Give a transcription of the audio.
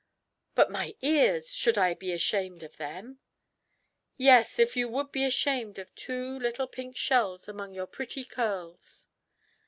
"But my ears, should I be ashamed of them?" "Yes, if you would be ashamed of two little pink shells among your pretty curls."